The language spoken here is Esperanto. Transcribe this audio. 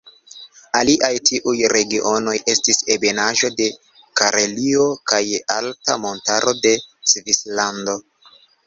Aliaj tiuj regionoj estis ebenaĵo de Karelio kaj alta montaro de Svislando.